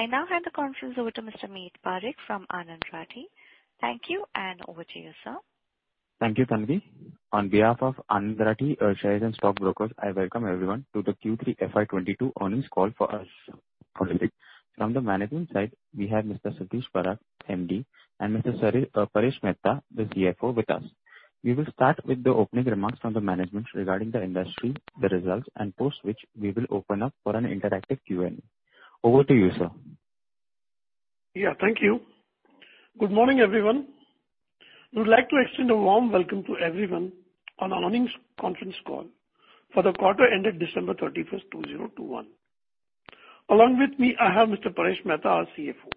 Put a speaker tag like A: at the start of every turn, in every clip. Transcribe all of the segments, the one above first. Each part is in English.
A: I now hand the conference over to Mr. Meet Parikh from Anand Rathi. Thank you, and over to you, sir.
B: Thank you, Tanvi. On behalf of Anand Rathi Shares and Stock Brokers, I welcome everyone to the Q3 FY22 Earnings Call for us, for ABL. From the management side, we have Mr. Satish Parakh, MD; and Mr. Paresh Mehta, the CFO with us. We will start with the opening remarks from the management regarding the industry, the results, and post which we will open up for an interactive Q&A. Over to you, sir.
C: Yeah, thank you. Good morning, everyone. We would like to extend a warm welcome to everyone on our Earnings Conference Call for the quarter ending December 31, 2021. Along with me, I have Mr. Paresh Mehta, our CFO.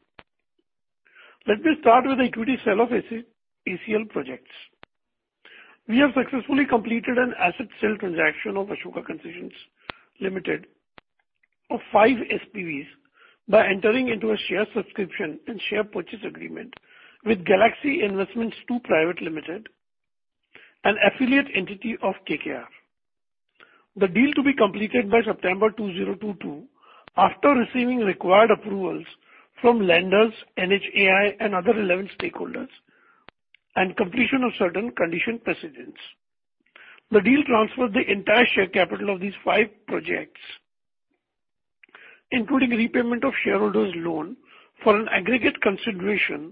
C: Let me start with the equity sale of ACL Projects. We have successfully completed an asset sale transaction of Ashoka Concessions Limited of five SPVs by entering into a share subscription and share purchase agreement with Galaxy Investments II Pte. Ltd., an affiliate entity of KKR. The deal to be completed by September 2022, after receiving required approvals from lenders, NHAI and other relevant stakeholders, and completion of certain conditions precedent. The deal transfers the entire share capital of these five projects, including repayment of shareholders' loan for an aggregate consideration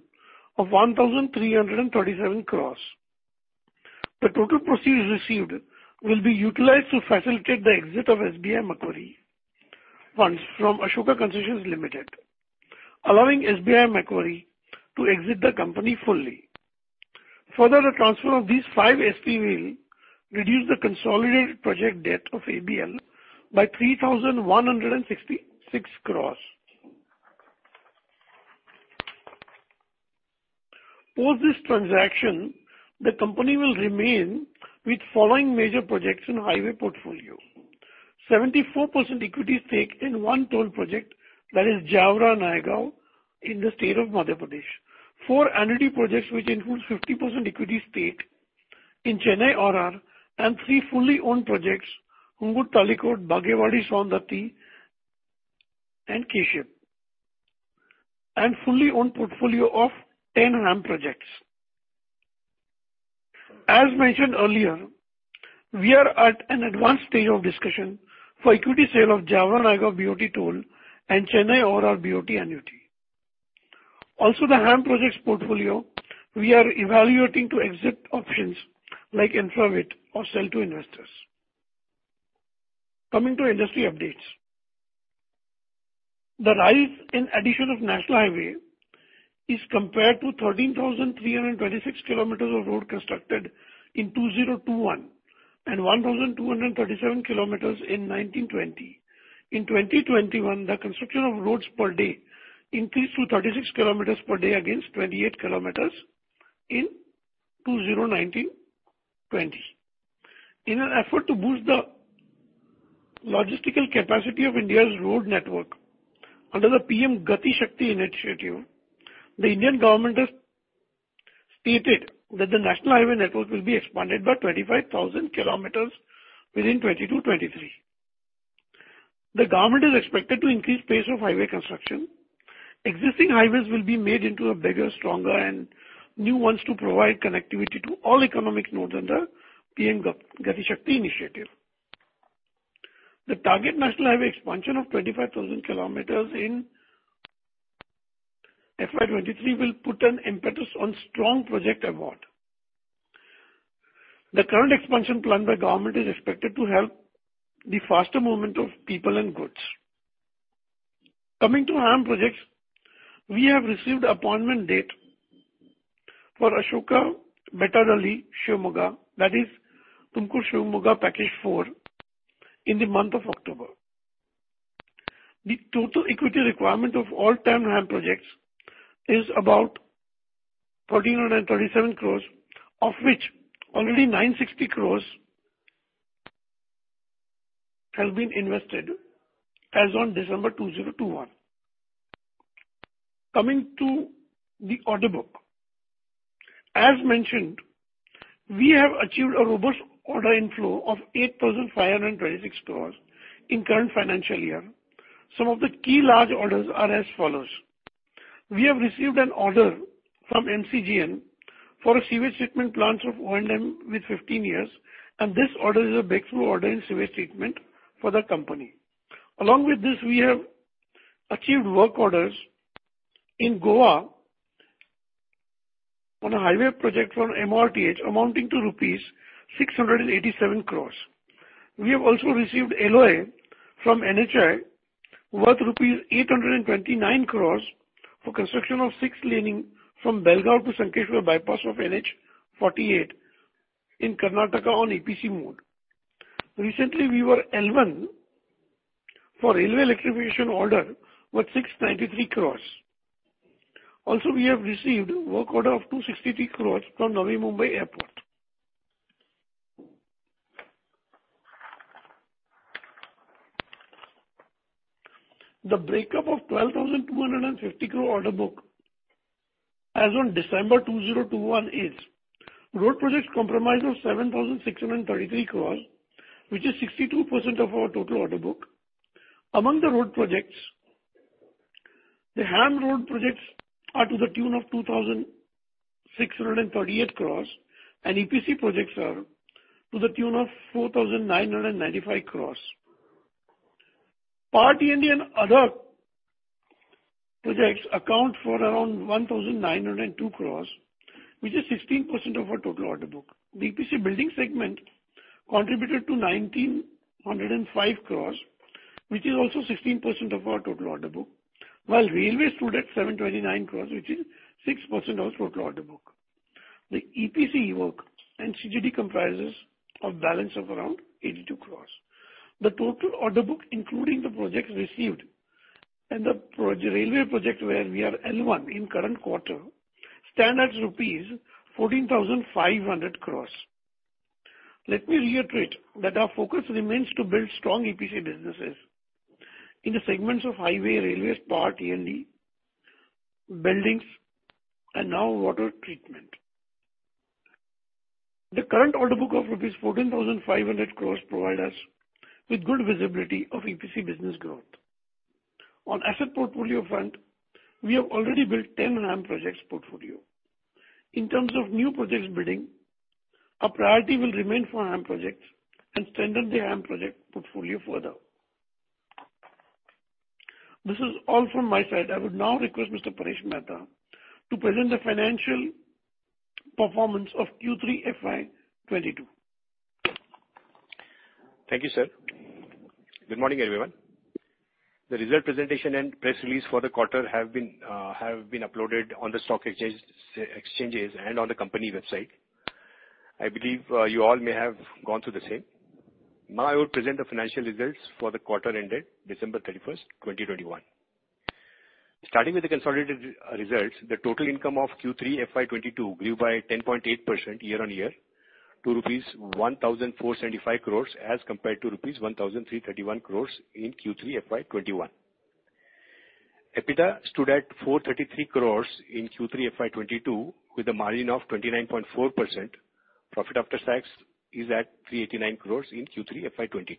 C: of 1,337 crore. The total proceeds received will be utilized to facilitate the exit of SBI Macquarie Infrastructure Management from Ashoka Concessions Limited, allowing SBI Macquarie to exit the company fully. Further, the transfer of these five SPV will reduce the consolidated project debt of ABL by 3,166 crore. Post this transaction, the company will remain with following major projects in highway portfolio: 74% equity stake in one toll project, that is Jaora-Nayagaon, in the state of Madhya Pradesh. Four annuity projects, which include 50% equity stake in Chennai ORR. And three fully owned projects, Hungund-Talikot, Bagewadi-Saundatti, and KSHIP, and fully owned portfolio of 10 HAM projects. As mentioned earlier, we are at an advanced stage of discussion for equity sale of Jaora-Nayagaon BOT toll and Chennai ORR BOT annuity. Also, the HAM projects portfolio, we are evaluating to exit options like InvIT or sell to investors. Coming to industry updates. The rise in addition of National Highway is compared to 13,326 km of road constructed in 2021, and 1,237 km in 2019-2020. In 2021, the construction of roads per day increased to 36 km per day, against 28 km in 2019-2020. In an effort to boost the logistical capacity of India's road network, under the PM Gati Shakti Initiative, the Indian government has stated that the National Highway Network will be expanded by 25,000 km within 2022-2023. The government is expected to increase pace of highway construction. Existing highways will be made into a bigger, stronger, and new ones to provide connectivity to all economic nodes under PM Gati Shakti Initiative. The target national highway expansion of 25,000 km in FY 2023 will put an impetus on strong project award. The current expansion plan by government is expected to help the faster movement of people and goods. Coming to HAM projects, we have received appointment date for Ashoka Mettupalayam, Shivamogga, that is Tumkur-Shivamogga, Package 4, in the month of October. The total equity requirement of all 10 HAM projects is about 1,337 crore, of which only 960 crore have been invested as on December 2021. Coming to the order book. As mentioned, we have achieved a robust order inflow of 8,526 crore in current financial year. Some of the key large orders are as follows: We have received an order from MCGM for a sewage treatment plant of O&M with 15 years, and this order is a breakthrough order in sewage treatment for the company. Along with this, we have achieved work orders in Goa on a highway project from MoRTH, amounting to rupees 687 crore. We have also received LOA from NHAI, worth rupees 829 crore, for construction of six-laning from Belgaum to Sankeshwar Bypass of NH-48 in Karnataka on EPC mode. Recently, we were L1 for railway electrification order, worth 693 crore. Also, we have received work order of 263 crore from Navi Mumbai Airport. The breakup of 12,250 crore order book-... As on December 2021 is: road projects comprised of 7,633 crore, which is 62% of our total order book. Among the road projects, the HAM road projects are to the tune of 2,638 crore, and EPC projects are to the tune of 4,995 crore. Power T&D other projects account for around 1,902 crore, which is 16% of our total order book. The EPC building segment contributed to 1,905 crore, which is also 16% of our total order book, while railway stood at 729 crore, which is 6% of total order book. The EPC work and CGD comprises of balance of around 82 crore. The total order book, including the projects received and the railway project, where we are L1 in current quarter, stands at rupees 14,500 crore. Let me reiterate that our focus remains to build strong EPC businesses in the segments of highway, railways, Power T&D, buildings, and now water treatment. The current order book of rupees 14,500 crore provide us with good visibility of EPC business growth. On asset portfolio front, we have already built 10 HAM projects portfolio. In terms of new projects bidding, our priority will remain for HAM projects and strengthen the HAM project portfolio further. This is all from my side. I would now request Mr. Paresh Mehta to present the financial performance of Q3 FY 2022.
D: Thank you, sir. Good morning, everyone. The result presentation and press release for the quarter have been uploaded on the stock exchange, exchanges and on the company website. I believe you all may have gone through the same. Now, I will present the financial results for the quarter ended December 31, 2021. Starting with the consolidated results, the total income of Q3 FY22 grew by 10.8% year-on-year, to rupees 1,475 crore as compared to rupees 1,331 crore in Q3 FY21. EBITDA stood at 433 crore in Q3 FY22, with a margin of 29.4%. Profit after tax is at 389 crore in Q3 FY22.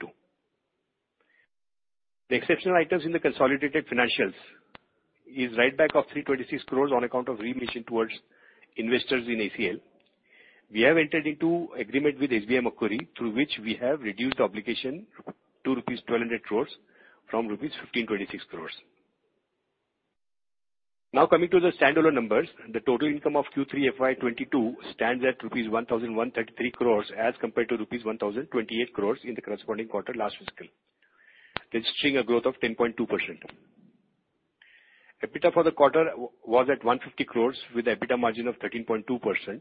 D: The exceptional items in the consolidated financials is write back of 326 crore on account of remission towards investors in ACL. We have entered into agreement with SBI Macquarie, through which we have reduced obligation to rupees 1,200 crore from rupees 1,526 crore. Now, coming to the standalone numbers, the total income of Q3 FY22 stands at rupees 1,133 crore as compared to rupees 1,028 crore in the corresponding quarter last fiscal, registering a growth of 10.2%. EBITDA for the quarter was at 150 crore, with EBITDA margin of 13.2%.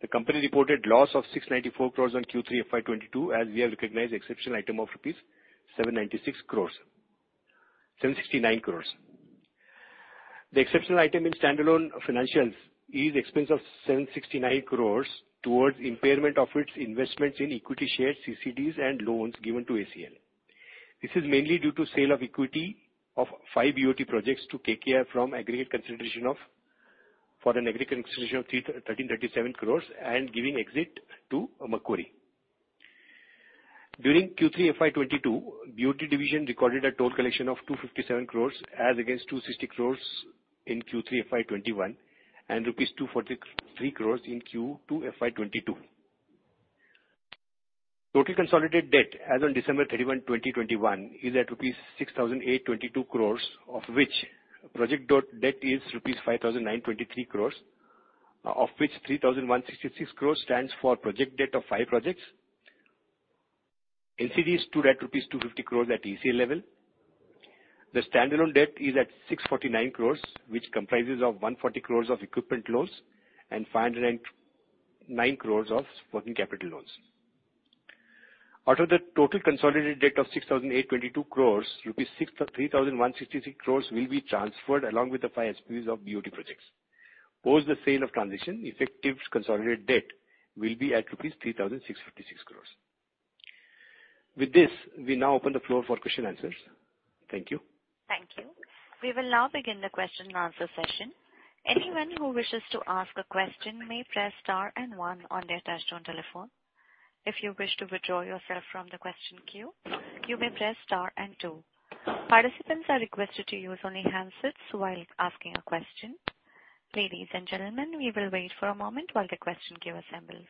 D: The company reported loss of 694 crore in Q3 FY22, as we have recognized the exceptional item of 796 crore-769 crore rupees. The exceptional item in standalone financials is expense of 769 crore towards impairment of its investments in equity shares, CCDs, and loans given to ACL. This is mainly due to sale of equity of five BOT projects to KKR for an aggregate consideration of 1,337 crores and giving exit to Macquarie. During Q3 FY 2022, BOT division recorded a toll collection of 257 crores as against 260 crores in Q3 FY 2021, and rupees 243 crores in Q2 FY 2022. Total consolidated debt as on December 31, 2021, is at rupees 6,822 crores, of which project debt is rupees 5,923 crores, of which 3,166 crores stands for project debt of five projects. NCDs stood at rupees 250 crores at ACL level. The standalone debt is at 649 crores, which comprises of 140 crores of equipment loans and 509 crores of working capital loans. Out of the total consolidated debt of 6,822 crores, rupees 3,163 crores will be transferred along with the five SPVs of BOT projects. Post the sale transaction, effective consolidated debt will be at rupees 3,656 crores. With this, we now open the floor for question and answers. Thank you.
A: Thank you. We will now begin the question and answer session. Anyone who wishes to ask a question may press star and one on their touchtone telephone. If you wish to withdraw yourself from the question queue, you may press star and two. Participants are requested to use only handsets while asking a question. Ladies and gentlemen, we will wait for a moment while the question queue assembles.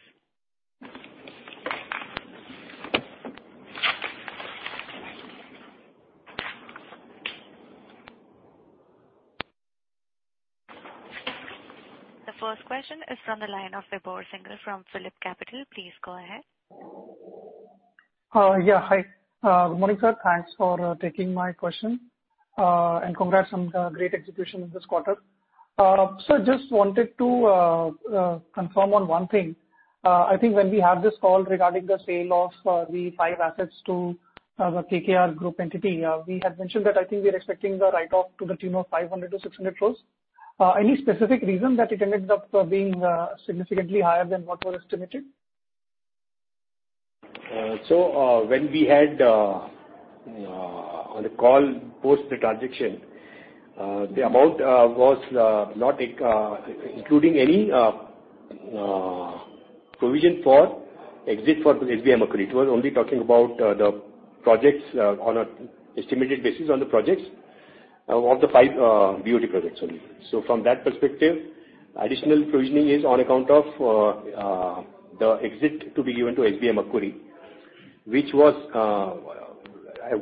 A: The first question is from the line of Vibhor Singhal from PhillipCapital. Please go ahead.
E: Yeah, hi. Good morning, sir. Thanks for taking my question, and congrats on the great execution this quarter. So just wanted to confirm on one thing. I think when we had this call regarding the sale of the five assets to the KKR group entity, we had mentioned that I think we are expecting the write-off to the tune of 500-600 crore. Any specific reason that it ended up being significantly higher than what was estimated?
D: So, when we had, on the call post the transaction, the amount was not including any provision for exit for SBI Macquarie. It was only talking about the projects, on an estimated basis on the projects, of the five BOT projects only. So from that perspective, additional provisioning is on account of the exit to be given to SBI Macquarie, which was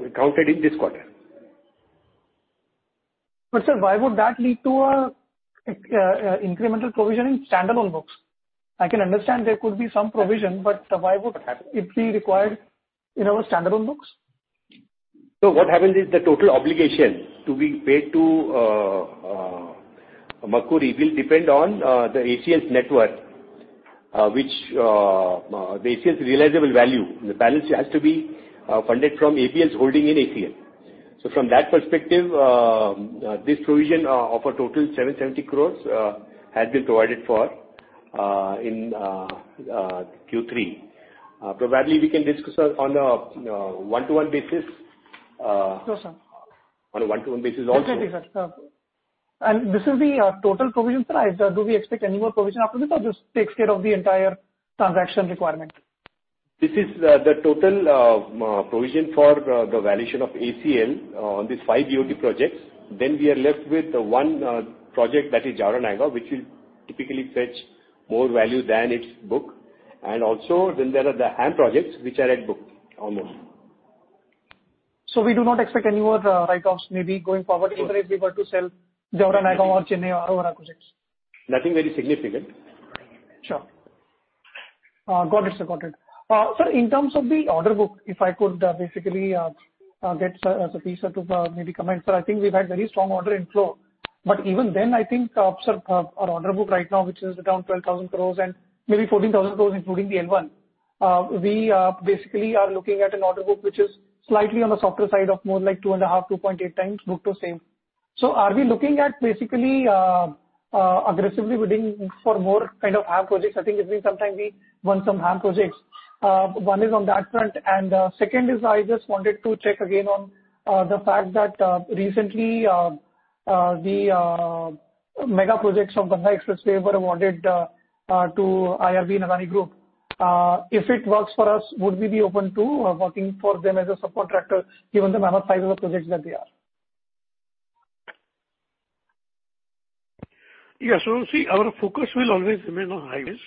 D: accounted in this quarter.
E: But, sir, why would that lead to a incremental provision in standalone books? I can understand there could be some provision, but why would it be required in our standalone books?
D: So what happens is the total obligation to be paid to Macquarie will depend on the ACL's net worth, which the ACL's realizable value. The balance has to be funded from ABL's holding in ACL. So from that perspective, this provision of a total 770 crores has been provided for in Q3. Probably we can discuss on a 1:1 basis.
E: Sure, sir.
D: On a 1:1 basis also.
E: Okay, sir. And this is the total provision, sir? Do we expect any more provision after this, or this takes care of the entire transaction requirement?
D: This is the total provision for the valuation of ACL on these five BOT projects. Then we are left with the one project that is Jaora-Nayagaon, which will typically fetch more value than its book. And also, then there are the HAM projects, which are at book almost.
E: So we do not expect any more, write-offs, maybe going forward, even if we were to sell Jaora-Nayagaon or Chennai ORR other projects?
D: Nothing very significant.
E: Sure. Got it, sir. Got it. Sir, in terms of the order book, if I could, basically, get, sir, Satish, to, maybe comment. Sir, I think we've had very strong order inflow, but even then, I think, sir, our order book right now, which is around 12,000 crore and maybe 14,000 crore, including the L1, we, basically are looking at an order book which is slightly on the softer side of more like 2.5x, 2.8x book to same. So are we looking at basically, aggressively bidding for more kind of HAM projects? I think it's been some time we won some HAM projects. One is on that front, and second is I just wanted to check again on the fact that recently the mega projects of Mumbai Expressway were awarded to IRB InvIT Group. If it works for us, would we be open to working for them as a subcontractor, given the mammoth size of the projects that they are?
C: Yeah. So see, our focus will always remain on highways,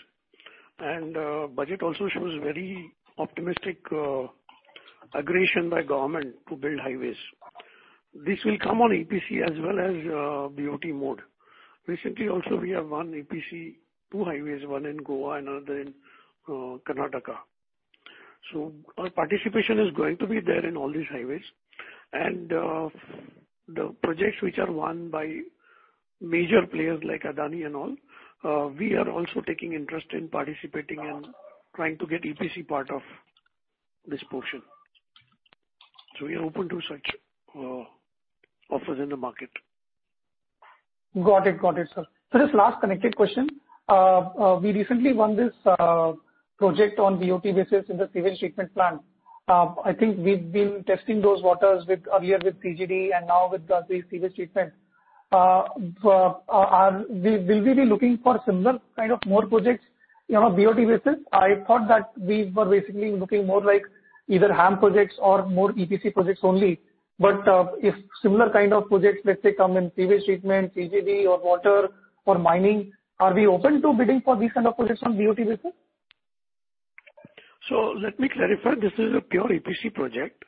C: and, budget also shows very optimistic, aggression by government to build highways. This will be come on EPC as well as, BOT mode. Recently also, we have won EPC, two highways, one in Goa and another in, Karnataka. So our participation is going to be there in all these highways. And, the projects which are won by major players like Adani and all, we are also taking interest in participating and trying to get EPC part of this portion. So we are open to such, offers in the market.
E: Got it. Got it, sir. Sir, just last connected question. We recently won this project on BOT basis in the sewage treatment plant. I think we've been testing those waters with, earlier with CGD and now with the sewage treatment. Will we be looking for similar kind of more projects on a BOT basis? I thought that we were basically looking more like either HAM projects or more EPC projects only. But, if similar kind of projects, let's say, come in sewage treatment, CGD or water or mining, are we open to bidding for these kind of projects on BOT basis?
C: So let me clarify. This is a pure EPC project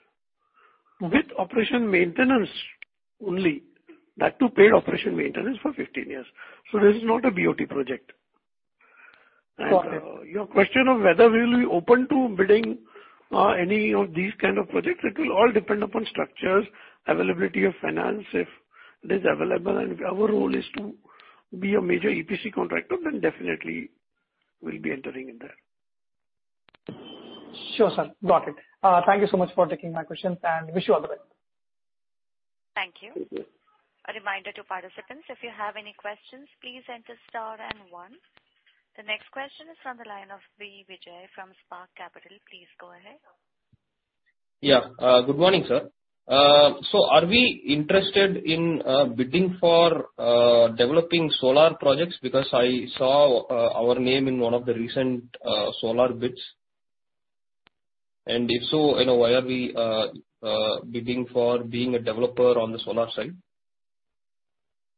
C: with operations and maintenance only. That too, paid operations and maintenance for 15 years.
E: Got it.
C: This is not a BOT project.
E: Got it.
C: Your question of whether we will be open to bidding any of these kind of projects, it will all depend upon structures, availability of finance, if it is available, and if our role is to be a major EPC contractor, then definitely we'll be entering in there.
E: Sure, sir. Got it. Thank you so much for taking my questions, and wish you all the best.
A: Thank you.
C: Thank you.
A: A reminder to participants, if you have any questions, please enter star and one. The next question is from the line of Bharanidhar Vijayakumar from Spark Capital. Please go ahead.
F: Yeah. Good morning, sir. So are we interested in bidding for developing solar projects? Because I saw our name in one of the recent solar bids. And if so, you know, why are we bidding for being a developer on the solar side?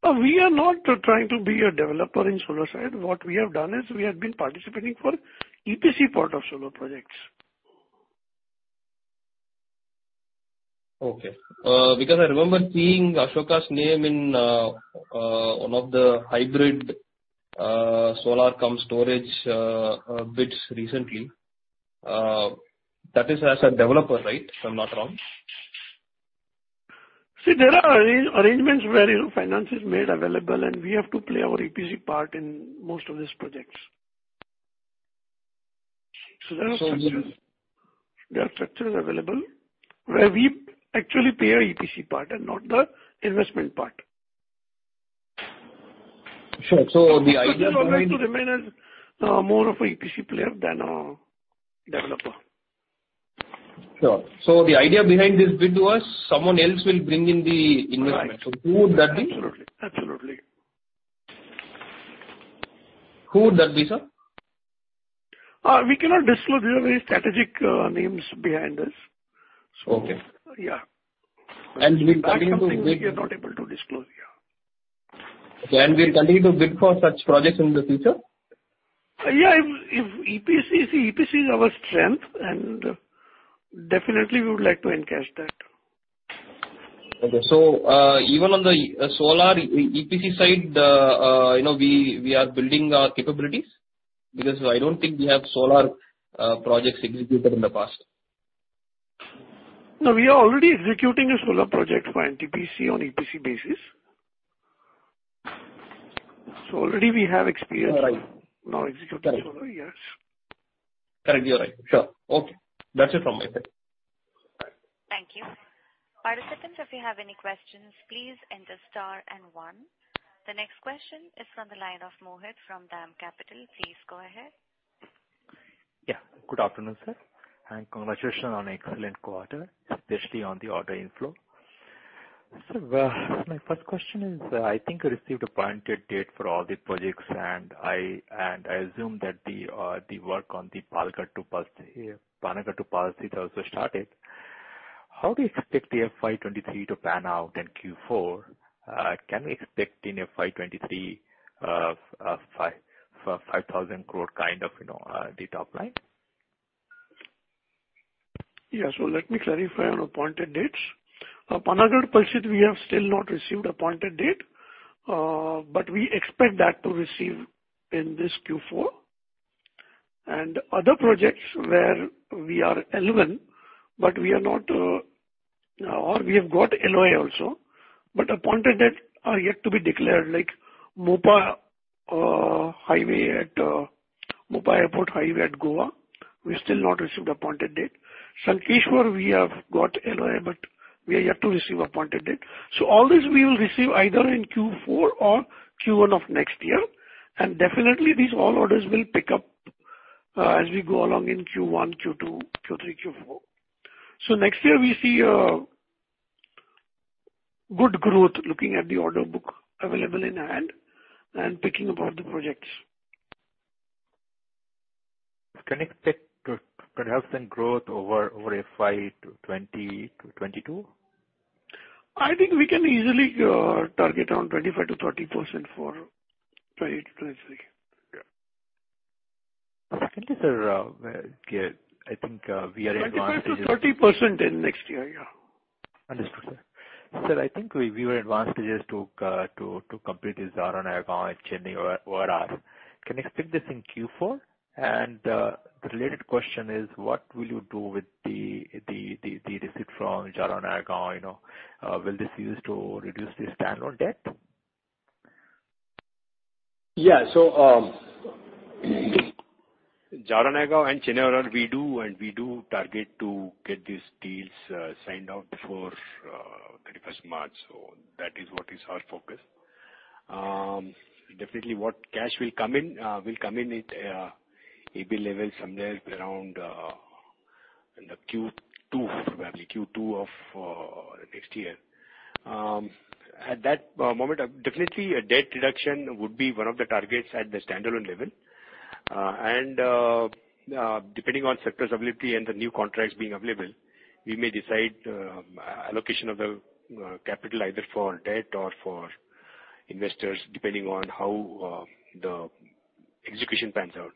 C: We are not trying to be a developer in solar side. What we have done is, we have been participating for EPC part of solar projects.
F: Okay. Because I remember seeing Ashoka's name in one of the hybrid solar-cum-storage bids recently. That is as a developer, right? If I'm not wrong.
C: See, there are arrangements where, you know, finance is made available, and we have to play our EPC part in most of these projects. So there are structures, there are structures available, where we actually pay our EPC part and not the investment part....
D: Sure. So the idea behind-
C: Would like to remain as more of a EPC player than a developer.
D: Sure. The idea behind this bid was someone else will bring in the investment.
C: Right.
D: So who would that be?
C: Absolutely. Absolutely.
D: Who would that be, sir?
C: We cannot disclose. These are very strategic names behind this.
D: Okay.
C: Yeah.
D: And we continue to bid-
C: That's something we are not able to disclose, yeah.
D: We continue to bid for such projects in the future?
C: Yeah, if, if EPC, EPC is our strength, and definitely we would like to encash that.
D: Okay. So, even on the solar EPC side, you know, we are building our capabilities? Because I don't think we have solar projects executed in the past.
C: No, we are already executing a solar project for NTPC on EPC basis. So already we have experience-
D: All right.
C: Now executing solar, yes.
D: Correct. You're right. Sure. Okay. That's it from my side. Bye.
A: Thank you. Participants, if you have any questions, please enter star and one. The next question is from the line of Mohit Kumar from DAM Capital. Please go ahead.
G: Yeah. Good afternoon, sir, and congratulations on excellent quarter, especially on the order inflow. Sir, my first question is, I think you received Appointed Date for all the projects, and I assume that the work on the Panagarh to Palsit also started. How do you expect the FY 2023 to pan out in Q4? Can we expect in FY 2023, 5,000 crore kind of, you know, the top line?
C: Yeah. So let me clarify on appointed dates. Panagarh-Palsit, we have still not received appointed date, but we expect that to receive in this Q4. And other projects where we are L1, but we are not, or we have got LOA also, but appointed date are yet to be declared, like Mopa, highway at, Mopa Airport highway at Goa, we still not received appointed date. Sankeshwar, we have got LOA, but we are yet to receive appointed date. So all this we will receive either in Q4 or Q1 of next year, and definitely these all orders will pick up, as we go along in Q1, Q2, Q3, Q4. So next year we see a good growth looking at the order book available in hand and picking up all the projects.
G: Can I expect, perhaps some growth over FY 20 to 22?
C: I think we can easily target around 25%-30% for FY 2023. Yeah.
G: Secondly, sir, yeah, I think, we are in advance-
C: 25%-30% in next year, yeah.
G: Understood, sir. Sir, I think we were advanced just to complete this Jaora-Nayagaon in Chennai ORR. Can I expect this in Q4? And the related question is: what will you do with the receipt from Jaora-Nayagaon, you know? Will this use to reduce the standalone debt?
D: Yeah. So, Jaora-Nayagaon and Chennai, we do, and we do target to get these deals signed out before 31st March. So that is what is our focus. Definitely what cash will come in will come in at EBITDA level somewhere around in the Q2, probably Q2 of next year. At that moment, definitely a debt reduction would be one of the targets at the standalone level. And, depending on sectors availability and the new contracts being available, we may decide allocation of the capital, either for debt or for investors, depending on how the execution pans out.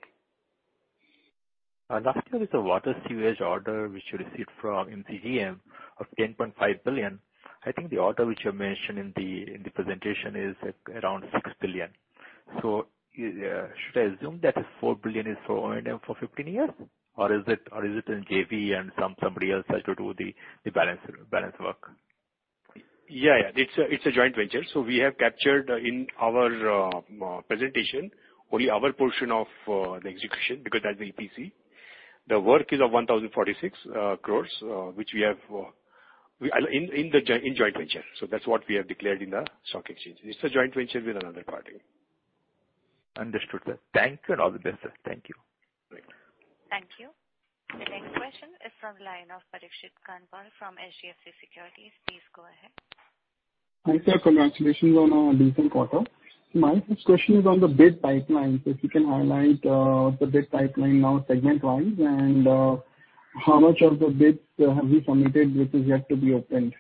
G: Last year was the water sewage order, which you received from MCGM of 10.5 billion. I think the order which you mentioned in the presentation is around 6 billion. So, should I assume that 4 billion is for O&M for 15 years, or is it in JV and somebody else has to do the balance work?
D: Yeah, yeah. It's a joint venture. So we have captured in our presentation only our portion of the execution, because that's EPC. The work is of 1,046 crores, which we have in the joint venture. So that's what we have declared in the stock exchange. It's a joint venture with another party.
G: Understood, sir. Thank you, and all the best, sir. Thank you.
D: Great.
A: Thank you. The next question is from the line of Parikshit Kandpal from HDFC Securities. Please go ahead.
H: Hi, sir. Congratulations on a decent quarter. My first question is on the bid pipeline. So if you can highlight, the bid pipeline now segment-wise, and, how much of the bids, have you submitted, which is yet to be opened?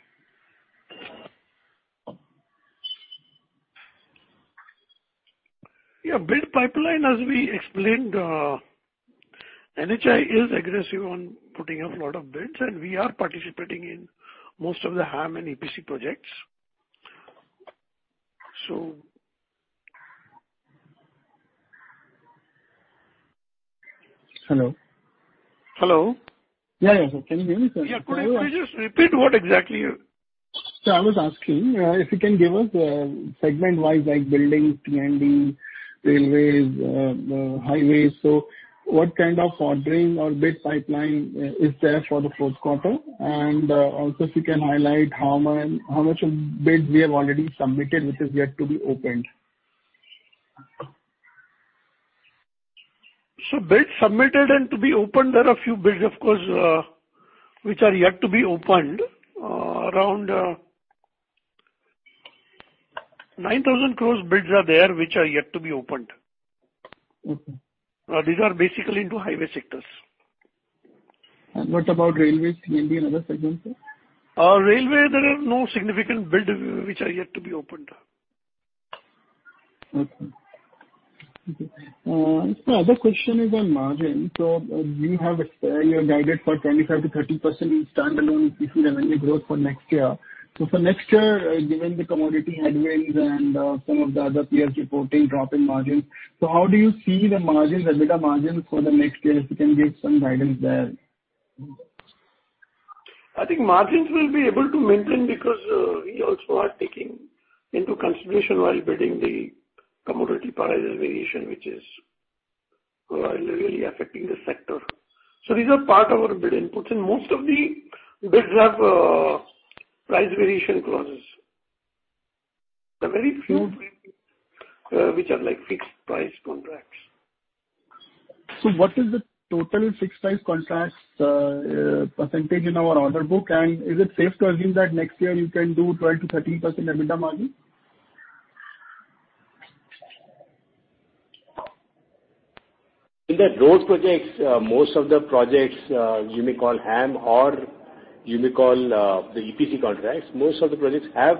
C: Yeah. Bid pipeline, as we explained, NHAI is aggressive on putting up a lot of bids, and we are participating in most of the HAM and EPC projects. So...
H: Hello?
C: Hello.
H: Yeah, yeah, sir. Can you hear me, sir?
C: Yeah. Could you please just repeat what exactly you-
H: Sir, I was asking if you can give us segment-wise, like building, P&D, railways, highways. So what kind of ordering or bid pipeline is there for the fourth quarter? And also if you can highlight how much of bids we have already submitted, which is yet to be opened.
C: Bids submitted and to be opened, there are a few bids, of course, which are yet to be opened. Around 9,000 crore bids are there, which are yet to be opened.
H: Mm-hmm.
C: These are basically into highway sectors.
H: What about railways and the other segments, sir?
C: Railway, there are no significant bids which are yet to be opened.
H: Okay. Sir, other question is on margin. So you have guided for 25%-30% in standalone ECC revenue growth for next year. So for next year, given the commodity headwinds and, some of the other peers reporting drop in margins, so how do you see the margins, EBITDA margins for the next year? If you can give some guidance there.
C: I think margins we'll be able to maintain because, we also are taking into consideration while bidding the commodity price variation, which is, really affecting the sector. So these are part of our bid inputs, and most of the bids have, price variation clauses. There are very few, which are like fixed price contracts.
H: So what is the total fixed price contracts percentage in our order book? And is it safe to assume that next year you can do 12%-13% EBITDA margin?
D: In the road projects, most of the projects you may call HAM or you may call the EPC contracts have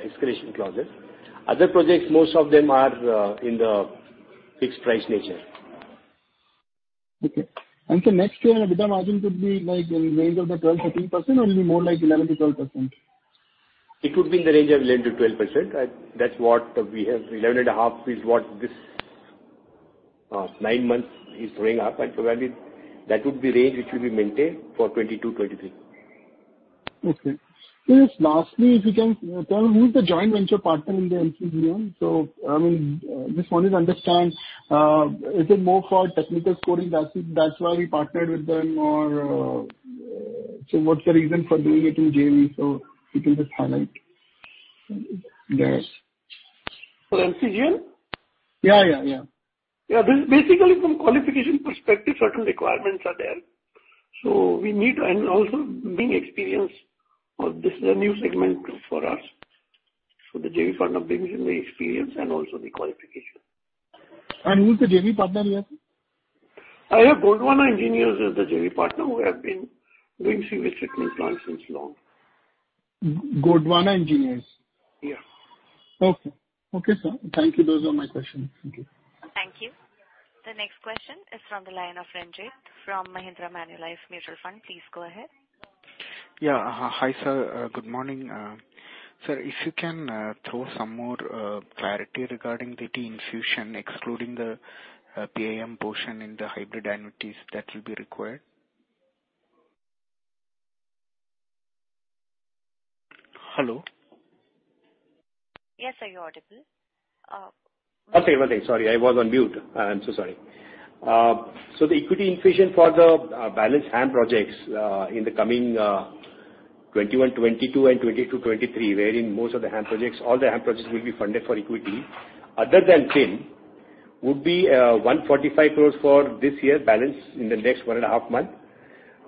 D: escalation clauses. Other projects, most of them are in the fixed price nature.
H: Okay. And so next year, EBITDA margin could be like in the range of the 12%-13%, or it'll be more like 11%-12%?
D: It could be in the range of 11%-12%. That's what we have. 11.5% is what this nine months is showing up, and so that means that would be range which will be maintained for 2022-2023.
H: Okay. Please, lastly, if you can tell, who is the joint venture partner in the MCGM? So, I mean, just wanted to understand, is it more for technical scoring, that's why we partnered with them? Or, so what's the reason for doing it in JV? So if you can just highlight that.
C: For MCGM?
H: Yeah, yeah, yeah.
C: Yeah. This is basically from qualification perspective, certain requirements are there. So we need to... And also bring experience, this is a new segment for us. So the JV partner brings in the experience and also the qualification.
H: Who's the JV partner here, sir?
C: Gondwana Engineers is the JV partner, who have been doing sewage treatment plant since long.
H: Gondwana Engineers?
C: Yeah.
H: Okay. Okay, sir. Thank you. Those are my questions. Thank you.
A: Thank you. The next question is from the line of Renjith Sivaram from Mahindra Manulife Mutual Fund. Please go ahead.
I: Yeah. Hi, sir. Good morning. Sir, if you can throw some more clarity regarding the infusion, excluding the PIM portion in the hybrid annuities that will be required?
C: Hello?
A: Yes, sir, you're audible.
D: Okay, one thing, sorry, I was on mute. I am so sorry. So the equity infusion for the balance HAM projects in the coming 2021-2022 and 2022-2023, wherein most of the HAM projects, all the HAM projects will be funded for equity, other than PIM, would be 145 crores for this year, balance in the next one and a half month,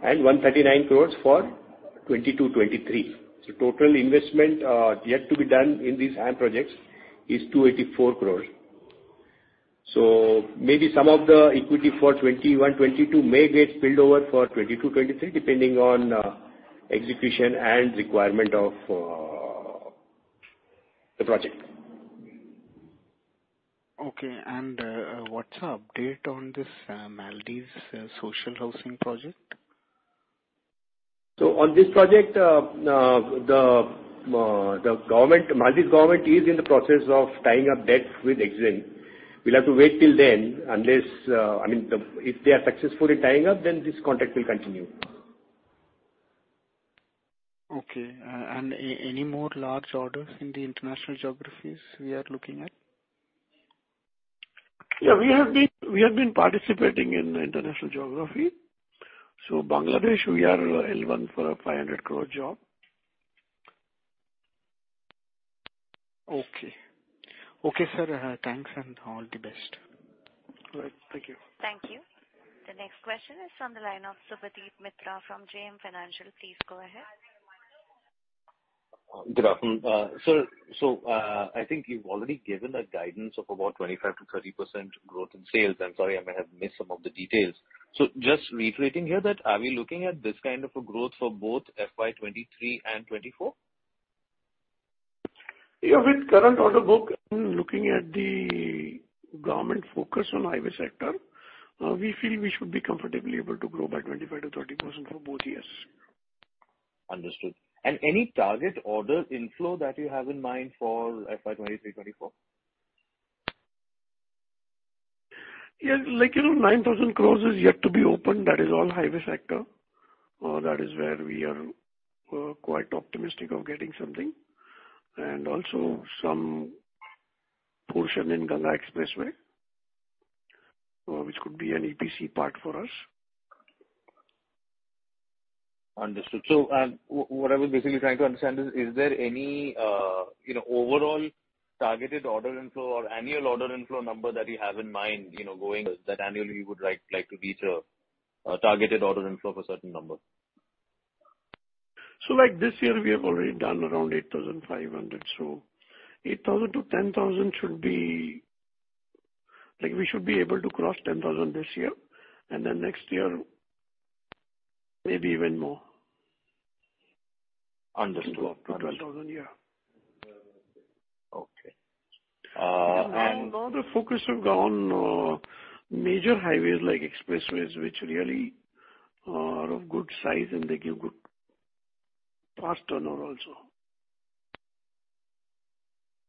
D: and 139 crores for 2022, 2023. So total investment yet to be done in these HAM projects is 284 crores. So maybe some of the equity for 2021, 2022 may get spilled over for 2022-2023, depending on execution and requirement of the project.
I: Okay. What's the update on this Maldives social housing project?
D: So on this project, the Maldives government is in the process of tying up debt with Exim. We'll have to wait till then, unless, I mean, if they are successfully tying up, then this contract will continue.
I: Okay. And any more large orders in the international geographies we are looking at?
C: Yeah, we have been participating in international geography. So Bangladesh, we are L1 for a 500 crore job.
I: Okay. Okay, sir, thanks and all the best.
C: All right, thank you.
A: Thank you. The next question is on the line of Subhadip Mitra from JM Financial. Please go ahead.
J: Good afternoon. Sir, so, I think you've already given a guidance of about 25%-30% growth in sales. I'm sorry, I may have missed some of the details. Just reiterating here that, are we looking at this kind of a growth for both FY 2023 and 2024?
C: Yeah, with current order book, and looking at the government focus on highway sector, we feel we should be comfortably able to grow by 25%-30% for both years.
J: Understood. Any target orders inflow that you have in mind for FY 2023-2024?
C: Yeah, like, you know, 9,000 crore is yet to be opened. That is all highway sector. That is where we are quite optimistic of getting something, and also some portion in Ganga Expressway, which could be an EPC part for us.
J: Understood. So, what I was basically trying to understand is, is there any, you know, overall targeted order inflow or annual order inflow number that you have in mind, you know, going, that annually you would like, like to reach a targeted order inflow for a certain number?
C: Like this year, we have already done around 8,500 crore. So 8,000 crore-10,000 crore should be, like, we should be able to cross 10,000 crore this year, and then next year, maybe even more.
J: Understood.
C: Up to INR 12,000 crore, yeah.
J: Okay.
C: Now the focus have gone on major highways like expressways, which really are of good size, and they give good fast turnover also.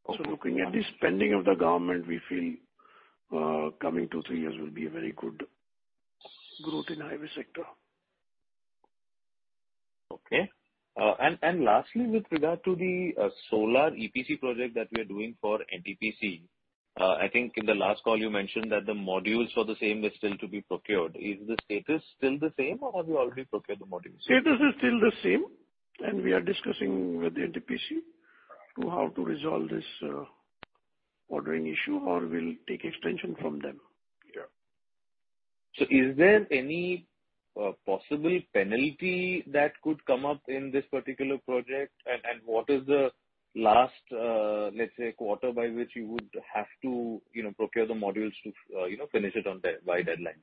J: Okay.
C: Looking at the spending of the government, we feel, coming two to three years will be a very good growth in highway sector.
J: Okay. And lastly, with regard to the solar EPC project that we are doing for NTPC, I think in the last call you mentioned that the modules for the same is still to be procured. Is the status still the same, or have you already procured the modules?
C: Status is still the same, and we are discussing with NTPC to how to resolve this ordering issue, or we'll take extension from them.
J: Yeah. So is there any possible penalty that could come up in this particular project? And what is the last, let's say, quarter by which you would have to, you know, procure the modules to, you know, finish it on by deadline?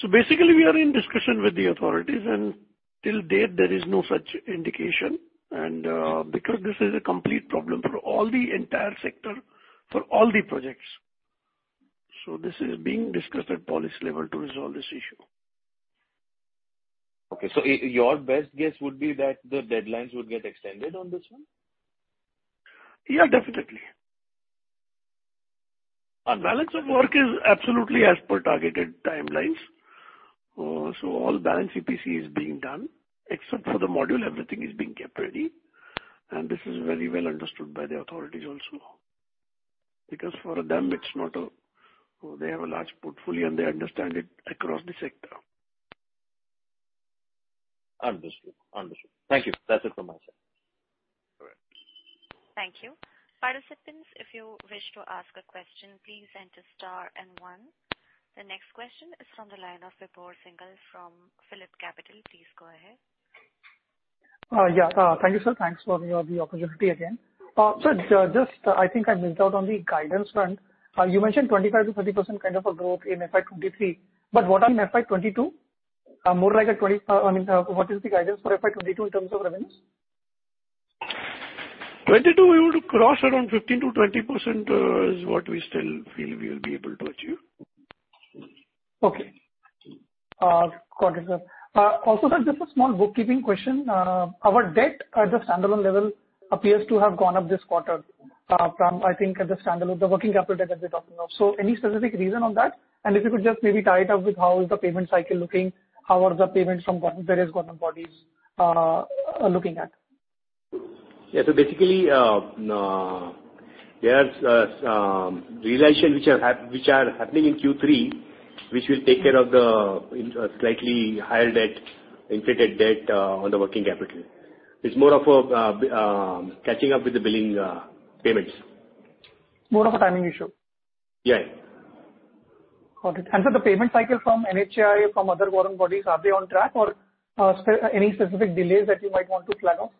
C: So basically, we are in discussion with the authorities, and to date there is no such indication, and, because this is a complete problem for all the entire sector, for all the projects. So this is being discussed at policy level to resolve this issue.
J: Okay, so your best guess would be that the deadlines would get extended on this one?
C: Yeah, definitely. Our balance of work is absolutely as per targeted timelines. So all balance EPC is being done. Except for the module, everything is being kept ready, and this is very well understood by the authorities also, because for them, it's not a. They have a large portfolio, and they understand it across the sector.
J: Understood. Understood. Thank you. That's it from my side. All right.
A: Thank you. Participants, if you wish to ask a question, please enter star and one. The next question is from the line of Vibhor Singhal from PhillipCapital. Please go ahead.
E: Yeah, thank you, sir, thanks for the opportunity again. So just, I think I missed out on the guidance front. You mentioned 25%-30% kind of a growth in FY 2023, but what on FY 2022? More like a 20%, I mean, what is the guidance for FY 2022 in terms of revenues?
C: 22%, we want to cross around 15%-20%, is what we still feel we will be able to achieve.
E: Okay. Got it, sir. Also, sir, just a small bookkeeping question. Our debt at the standalone level appears to have gone up this quarter, from, I think, at the standalone, the working capital debt that we're talking of. So any specific reason on that? And if you could just maybe tie it up with how is the payment cycle looking, how are the payments from government, various government bodies, looking at?
D: Yeah, so basically, there's realization which are happening in Q3, which will take care of the slightly higher debt, inflated debt, on the working capital. It's more of a catching up with the billing payments.
E: More of a timing issue?
D: Yeah.
E: Got it. And so the payment cycle from NHAI, from other government bodies, are they on track or, any specific delays that you might want to flag off?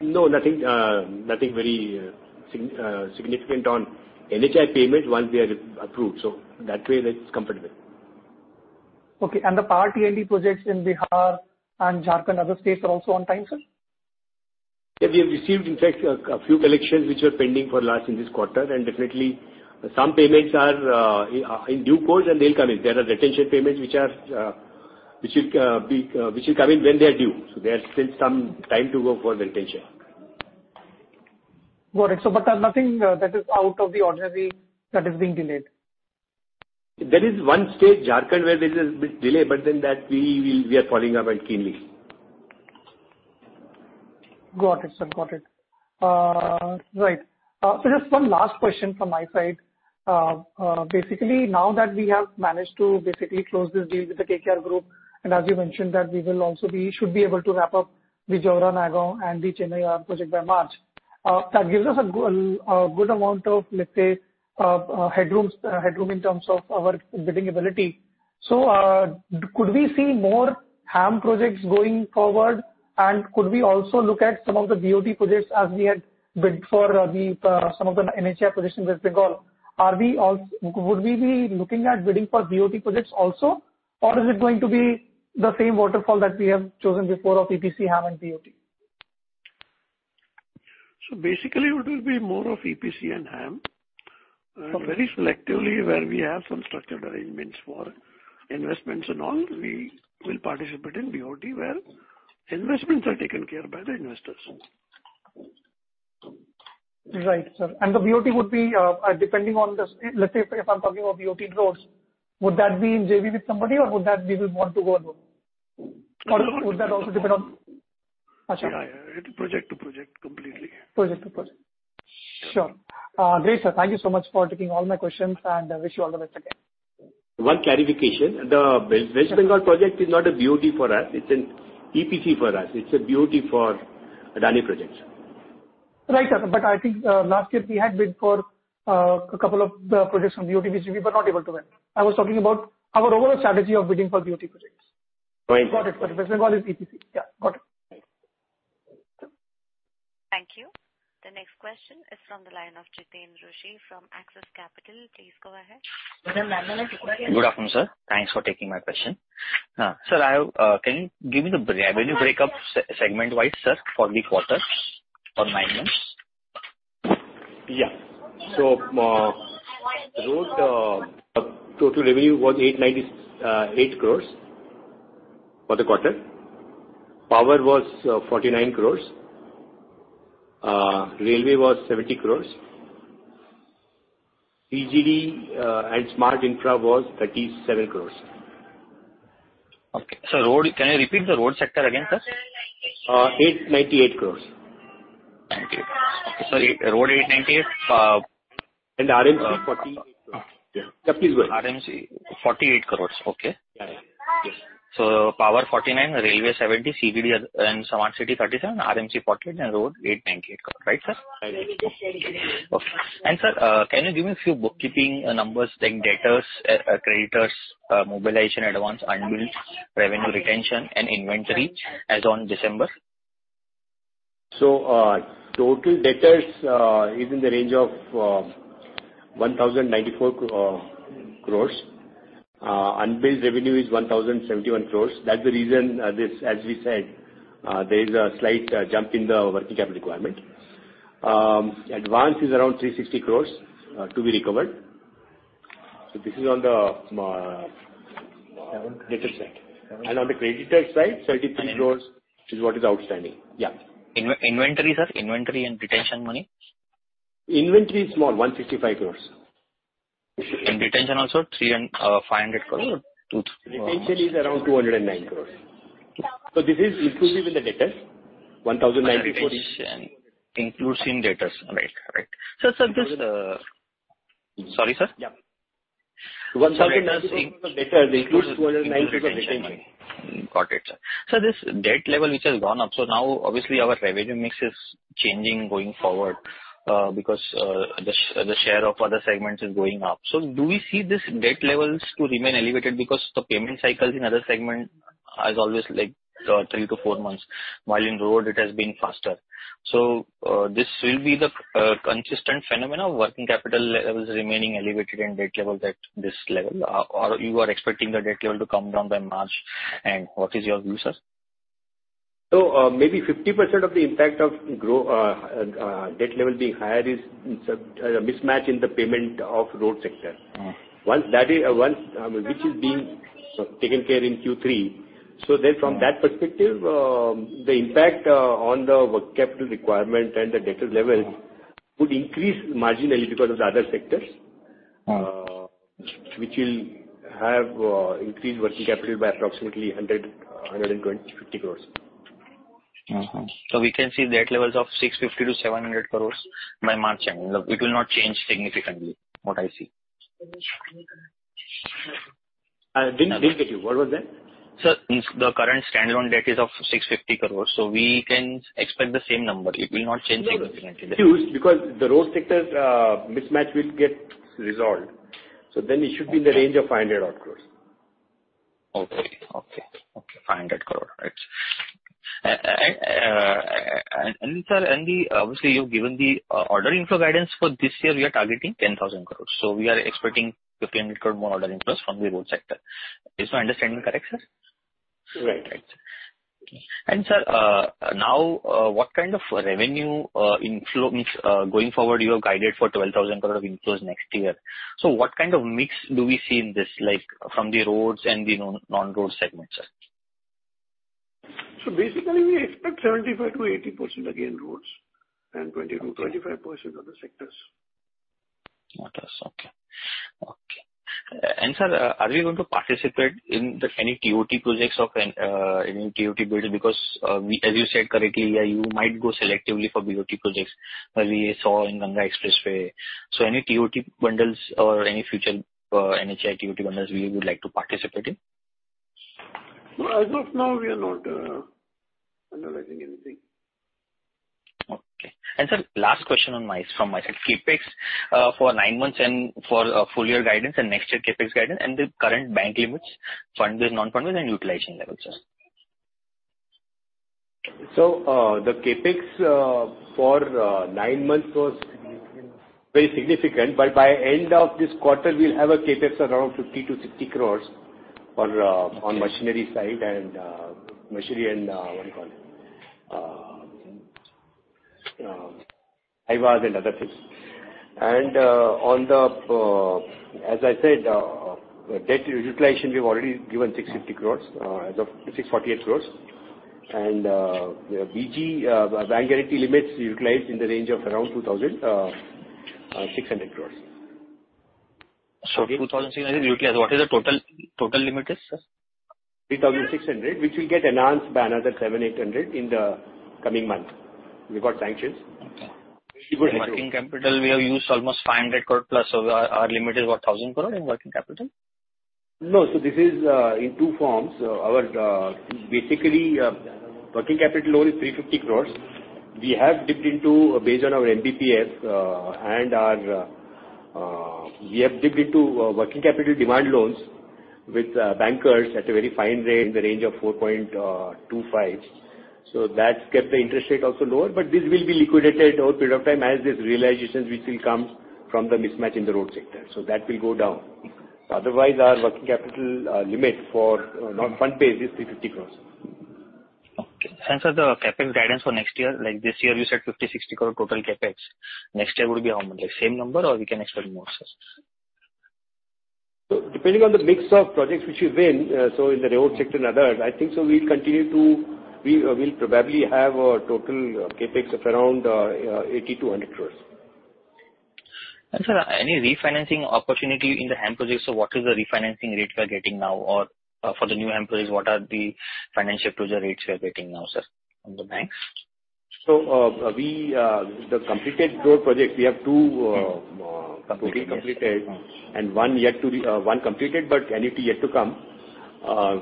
D: No, nothing very significant on NHAI payment once we are approved, so that way that's comfortable.
E: Okay. And the power T&D projects in Bihar and Jharkhand, other states, are also on time, sir?
D: Yeah, we have received, in fact, a few collections which were pending for last in this quarter, and definitely some payments are in due course, and they'll come in. There are retention payments which will come in when they are due. So there's still some time to go for retention.
E: Got it. So but nothing, that is out of the ordinary that is being delayed?
D: There is one state, Jharkhand, where there is a bit of a delay, but we are following up on that keenly.
E: Got it, sir. Got it. Right. So just one last question from my side. Basically, now that we have managed to basically close this deal with the KKR group, and as you mentioned, that we will also be... should be able to wrap up the Jaora-Nayagaon and the Chennai project by March. That gives us a good amount of, let's say, headroom in terms of our bidding ability. So, could we see more HAM projects going forward? And could we also look at some of the BOT projects as we had bid for, the, some of the NHAI positions with Bengal? Are we also- would we be looking at bidding for BOT projects also, or is it going to be the same waterfall that we have chosen before of EPC, HAM, and BOT?
C: So basically, it will be more of EPC and HAM.
D: Very selectively, where we have some structured arrangements for investments and all, we will participate in BOT, where investments are taken care by the investors.
E: Right, sir. And the BOT would be, depending on the, let's say, if I'm talking about BOT roads, would that be in JV with somebody or would that be with want to go alone? Or would that also depend on...?
D: Yeah, yeah.
E: Got you.
D: It's project to project, completely.
E: Project to project. Sure. Great, sir. Thank you so much for taking all my questions, and I wish you all the best again.
D: One clarification, the West Bengal project is not a BOT for us, it's an EPC for us. It's a BOT for Adani Projects.
E: Right, sir. But I think, last year we had bid for a couple of the projects from BOT, which we were not able to win. I was talking about our overall strategy of bidding for BOT projects.
D: Right.
E: Got it. West Bengal is EPC. Yeah, got it.
A: Thank you. The next question is from the line of Jiten Rushi from Axis Capital. Please go ahead.
K: Good afternoon, sir. Thanks for taking my question. Sir, I have, can you give me the revenue break up segment-wide, sir, for the quarter or nine months?
D: Yeah. So, road total revenue was 898 crore for the quarter. Power was 49 crore, railway was 70 crore. PGD and smart infra was 37 crore.
K: Okay. So road, can you repeat the road sector again, sir?
D: 898 crore.
K: Thank you. Sorry, road, 898 crore,
D: RMC, 48 crore. Yeah.
K: RMC, 48 crores. Okay.
D: Yeah.
K: 49 crore; railway, 70 crore; CGD and smart city, INR 37 crore; RMC, 48 crore, and road, 898 crore. Right, sir?
D: Right.
K: Okay. And, sir, can you give me a few bookkeeping numbers like debtors, creditors, mobilization, advance, unbilled, revenue, retention, and inventory as on December?
D: So, total debtors is in the range of 1,094 crores. Unbilled revenue is 1,071 crores. That's the reason, this as we said, there is a slight jump in the working capital requirement. Advance is around 360 crores to be recovered. So this is on the debtor side. And on the creditor side, 33 crores is what is outstanding. Yeah.
K: Inventory, sir, inventory and retention money?
D: Inventory is small, 155 crore.
K: Retention also, 300 and 500 crore? Two-
D: Retention is around 209 crore. So this is inclusive in the debtors, 1,094-
K: Includes in debtors, right. Right. So, sir, this, Sorry, sir?
D: Yeah. INR 1,090 crore of debtors includes INR 9 crore of retention.
K: Got it, sir. So this debt level, which has gone up, so now obviously our revenue mix is changing going forward, because the share of other segments is going up. So do we see this debt levels to remain elevated because the payment cycles in other segment are always like three to four months, while in road it has been faster. So this will be the consistent phenomena, working capital levels remaining elevated and debt level at this level, or you are expecting the debt level to come down by March? And what is your view, sir?
D: Maybe 50% of the impact of growth, debt level being higher is a mismatch in the payment of road sector.
K: Mm.
D: Once that is being taken care of in Q3, so then from that perspective, the impact on the working capital requirement and the debtor level would increase marginally because of the other sectors.
K: Mm.
D: Which will have increased working capital by approximately 125 crore.
K: Mm-hmm. So we can see debt levels of 650 crore-700 crore by March, and it will not change significantly, what I see.
D: I didn't get you. What was that?
K: Sir, the current standalone debt is of 650 crore, so we can expect the same number. It will not change significantly.
D: Because the road sector mismatch will get resolved, so then it should be in the range of 500 odd crores.
K: Okay. Okay. Okay, 500 crore, right. And, and sir, and the obviously, you've given the, order inflow guidance for this year, we are targeting 10,000 crore. So we are expecting 1,500 crore more order inflows from the road sector. Is my understanding correct, sir?
D: Right.
K: Right. And, sir, now, what kind of revenue inflow, means, going forward, you have guided for 12,000 crore of inflows next year. So what kind of mix do we see in this, like, from the roads and the non, non-road segments?
D: Basically, we expect 75%-80% again, roads, and 20%-25% other sectors.
K: Others, okay. Okay. And, sir, are we going to participate in any TOT projects or any TOT builds? Because, as you said correctly, yeah, you might go selectively for BOT projects, as we saw in Ganga Expressway. So any TOT bundles or any future NHAI TOT bundles we would like to participate in?
D: No, as of now, we are not analyzing anything.
K: Okay. And sir, last question from my side. CapEx for nine months and for full year guidance and next year CapEx guidance, and the current bank limits, funded, non-funded, and utilization levels, sir.
D: So, the CapEx for nine months was very significant, but by end of this quarter, we'll have a CapEx around 50 crores-60 crores for on machinery side and machinery and what you call it? Hyvas and other things. And on the as I said debt utilization, we've already given 650 crores as of 648 crores. And the BG bank guarantee limits utilized in the range of around 2,600 crores.
K: 2,600 crores utilized. What is the total, total limit is, sir?
D: 3,600, which will get enhanced by another 700 crores-800 crores in the coming months. We've got sanctions.
K: Okay.
D: Very good-
K: Working capital, we have used almost 500 crore plus, so our, our limit is what, 1,000 crore in working capital?
D: No. So this is in two forms. Our basically working capital loan is 350 crore. We have dipped into based on our MPBF and our we have dipped into working capital demand loans with bankers at a very fine rate in the range of 4.25. So that's kept the interest rate also lower, but this will be liquidated over a period of time as these realizations which will come from the mismatch in the road sector. So that will go down.
K: Okay.
D: Otherwise, our working capital limit for non-fund based is 350 crores.
K: Okay. And so the CapEx guidance for next year, like this year, you said 50 crore-60 crore total CapEx. Next year would be how much? Like same number, or we can expect more, sir?
D: So depending on the mix of projects which is in, so in the road sector and others, I think so we'll continue to... We'll probably have a total CapEx of around 80 crore-100 crore.
K: Sir, any refinancing opportunity in the HAM projects? So what is the refinancing rate we are getting now, or for the new HAM projects, what are the financial closure rates we are getting now, sir, from the banks?
D: So, the completed road project, we have two totally completed-
K: Okay.
D: And one yet to be, one completed, but NFT yet to come,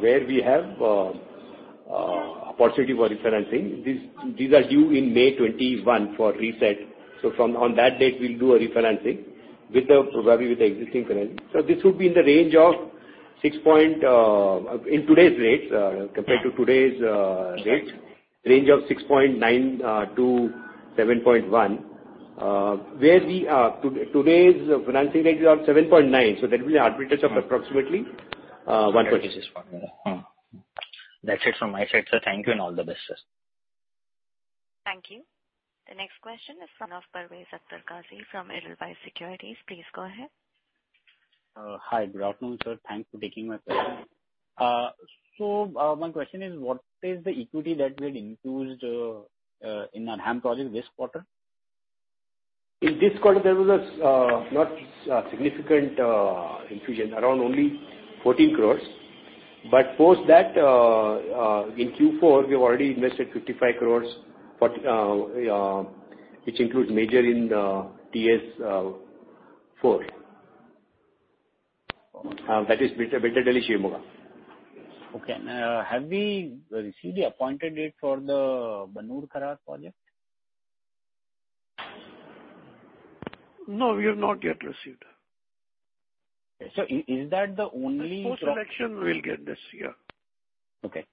D: where we have opportunity for refinancing. These, these are due in May 2021 for reset. So from on that date, we'll do a refinancing with the, probably with the existing finance. So this would be in the range of 6, in today's rates, compared to today's rates, range of 6.9-7.1. Where we are, today's financing rate is around 7.9, so that will be arbitrage of approximately 1.6.
K: 1.6. Mm-hmm. That's it from my side, sir. Thank you and all the best, sir.
A: Thank you. The next question is from Parvez Akhtar Qazi from Edelweiss Securities. Please go ahead.
L: Hi. Good afternoon, sir. Thanks for taking my question. So, my question is, what is the equity that we had infused in our HAM project this quarter?
D: In this quarter, there was not a significant infusion, around only 14 crore. But post that, in Q4, we've already invested 55 crore, but which includes major in TS-4. That is Tumkur-Shivamogga.
L: Okay. Have we received the Appointed Date for the Banur-Kharar project?
D: No, we have not yet received.
L: So, is that the only-
D: Post-election, we'll get this year.
L: Okay.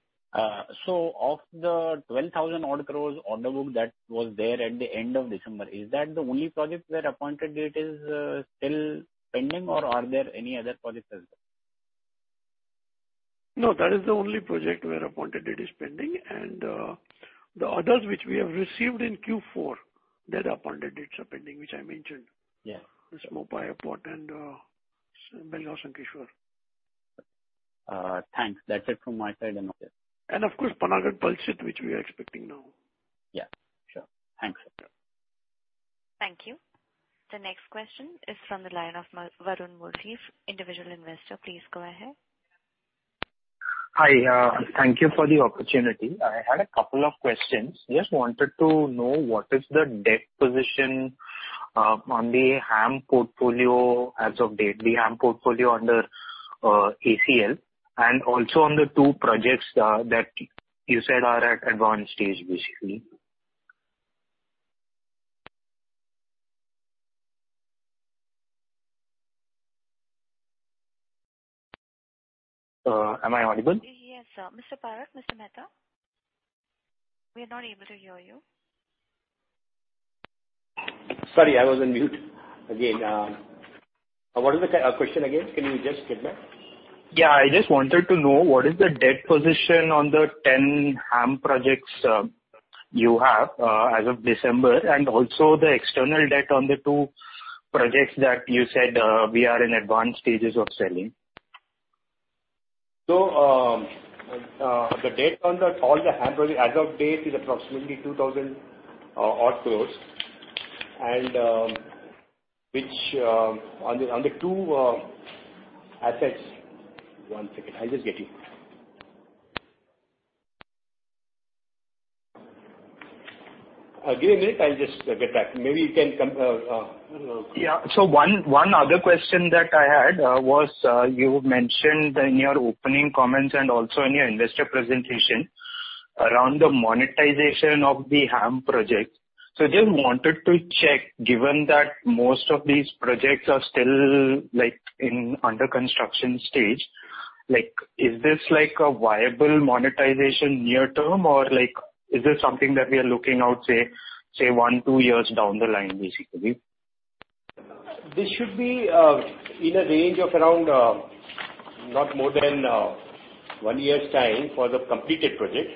L: So of the 12,000-odd crore order book that was there at the end of December, is that the only project where Appointed Date is still pending, or are there any other projects as well?
D: No, that is the only project where Appointed Date is pending, and the others which we have received in Q4, their Appointed Dates are pending, which I mentioned.
L: Yeah.
D: It's Mopa Airport and Belgaum Sankeshwar.
L: Thanks. That's it from my side then, okay.
D: Of course, Panagarh-Palsit, which we are expecting now.
L: Yeah, sure. Thanks.
A: Thank you. The next question is from the line of Varun Mulchandani, individual investor. Please go ahead.
M: Hi, thank you for the opportunity. I had a couple of questions. Just wanted to know what is the debt position on the HAM portfolio as of date, the HAM portfolio under ACL, and also on the two projects that you said are at advanced stage, basically? Am I audible?
A: Yes, sir. Mr. Parakh, Mr. Mehta, we are not able to hear you.
D: Sorry, I was on mute. Again, what is the question again? Can you just give me?
M: Yeah, I just wanted to know what is the debt position on the 10 HAM projects you have as of December, and also the external debt on the two projects that you said we are in advanced stages of selling?
D: So, the debt on all the HAM projects as of date is approximately 2,000 odd crores. And, which, on the, on the two, assets... One second, I'll just get you. Give me a minute, I'll just get back. Maybe you can come,
M: Yeah. So one other question that I had was you mentioned in your opening comments and also in your investor presentation around the monetization of the HAM project. So just wanted to check, given that most of these projects are still, like, in under construction stage, like, is this like a viable monetization near term, or like, is this something that we are looking out, say one, two years down the line, basically?
D: This should be in a range of around not more than one year's time for the completed project.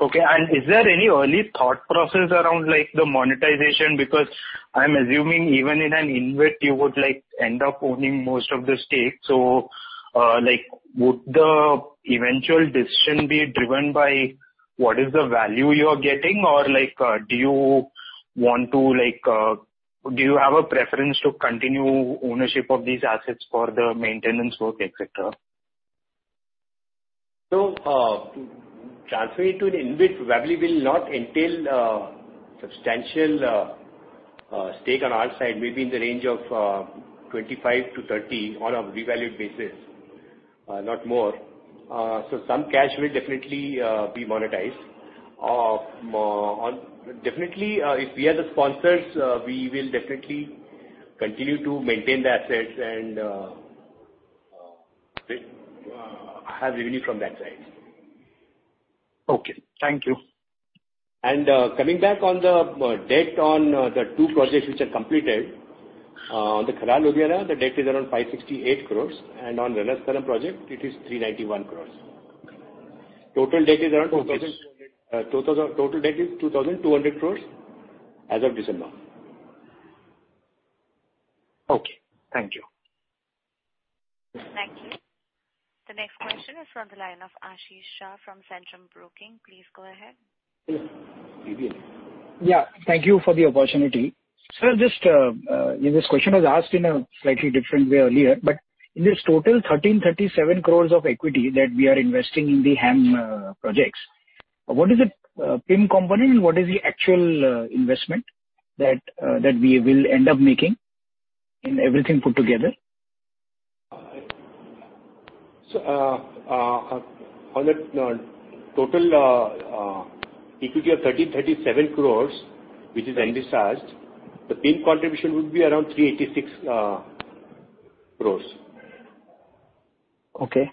M: Okay. And is there any early thought process around, like, the monetization? Because I'm assuming even in an InvIT, you would like end up owning most of the stake. So, like, would the eventual decision be driven by what is the value you are getting? Or like, do you want to like, do you have a preference to continue ownership of these assets for the maintenance work, et cetera?
D: So, transferring it to an InvIT probably will not entail substantial stake on our side, maybe in the range of 25-30 on a revalued basis, not more. So some cash will definitely be monetized. Definitely, if we are the sponsors, we will definitely continue to maintain the assets and have revenue from that side.
M: Okay, thank you.
D: Coming back on the debt on the two projects which are completed, on the Khairatunda-Barwa Adda project, the debt is around 568 crore, and on the Ranasthalam-Anandapuram project, it is 391 crore. Total debt is around 2,000-
M: Okay.
D: Total debt is 2,200 crore as of December.
M: Okay, thank you.
A: Thank you. The next question is from the line of Ashish Shah from Centrum Broking. Please go ahead.
D: Yes,
N: Yeah, thank you for the opportunity. Sir, just, this question was asked in a slightly different way earlier, but in this total 1,337 crore of equity that we are investing in the HAM projects, what is the PIM component and what is the actual investment that we will end up making in everything put together?
D: On the total equity of 1,337 crore, which is envisaged, the PIM contribution would be around 386 crore.
N: Okay.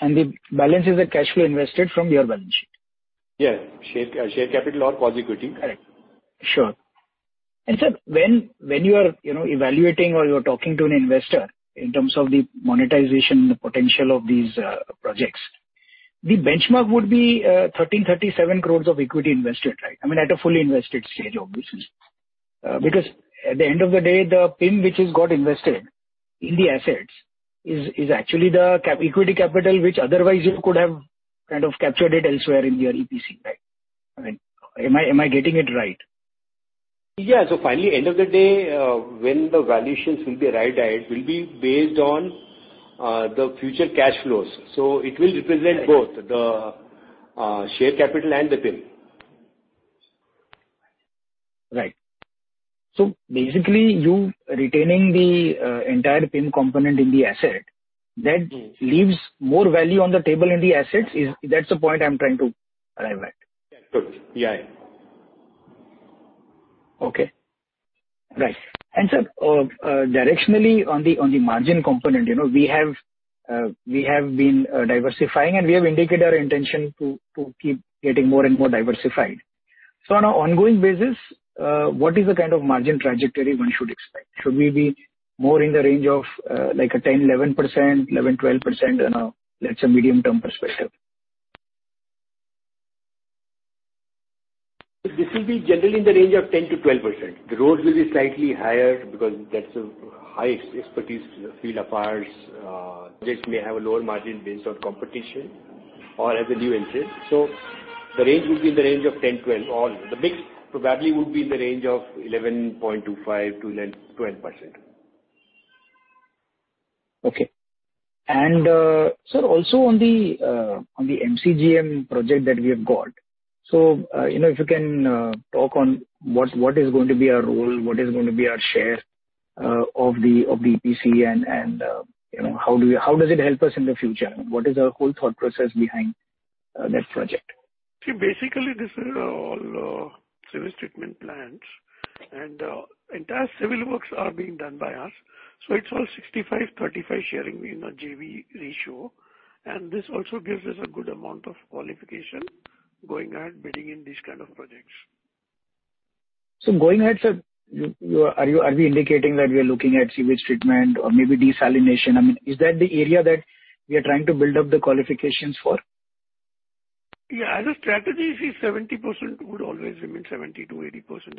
N: The balance is the cash flow invested from your balance sheet?
D: Yes, share, share capital or quasi equity. Correct.
N: Sure. Sir, when you are, you know, evaluating or you are talking to an investor in terms of the monetization potential of these projects, the benchmark would be 1,337 crores of equity invested, right? I mean, at a fully invested stage, obviously. Because at the end of the day, the PIM which has got invested in the assets is actually the CapEx equity capital, which otherwise you could have kind of captured it elsewhere in your EPC, right? I mean, am I getting it right?
D: Yeah. So finally, end of the day, when the valuations will be arrived at, will be based on the future cash flows. So it will represent both the share capital and the PIM.
N: Right. So basically, you retaining the entire PIM component in the asset, that-
D: Mm.
N: leaves more value on the table in the assets. That's the point I'm trying to arrive at.
D: Good. Yeah.
N: Okay. Right. And, sir, directionally, on the, on the margin component, you know, we have, we have been, diversifying and we have indicated our intention to, to keep getting more and more diversified. So on an ongoing basis, what is the kind of margin trajectory one should expect? Should we be more in the range of, like a 10%-11%, 11%-12%, you know, that's a medium-term perspective?
D: This will be generally in the range of 10%-12%. The roads will be slightly higher because that's a high expertise field of ours. This may have a lower margin based on competition or as a new entrance. So the range would be in the range of 10%, 12%, or the mix probably would be in the range of 11.25% to then 12%.
N: Okay. And, sir, also on the, on the MCGM project that we have got, so, you know, if you can, talk on what, what is going to be our role, what is going to be our share, of the, of the EPC, and, and, you know, how do you- how does it help us in the future? What is our whole thought process behind, that project?
C: See, basically, this is all sewage treatment plants, and entire civil works are being done by us. So it's all 65-35 sharing in a JV ratio, and this also gives us a good amount of qualification going ahead, bidding in these kind of projects.
N: So going ahead, sir, are we indicating that we are looking at sewage treatment or maybe desalination? I mean, is that the area that we are trying to build up the qualifications for?
C: Yeah, as a strategy, see, 70% would always remain, 70%-80%